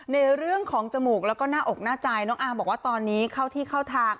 ในเรื่องของจมูกแล้วก็หน้าอกหน้าใจน้องอาร์มบอกว่าตอนนี้เข้าที่เข้าทาง